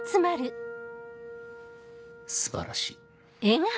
素晴らしい。